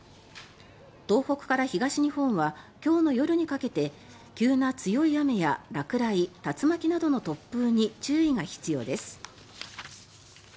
東北から東日本は今日の夜にかけて急な強い雨や落雷竜巻などの突風に注意が必要です。